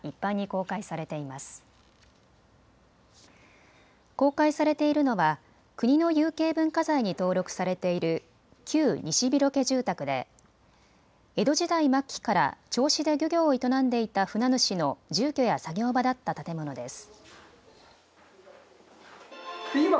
公開されているのは国の有形文化財に登録されている旧西廣家住宅で江戸時代末期から銚子で漁業を営んでいた船主の住居や作業場だった建物です。